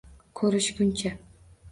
-Ko’rishguncha.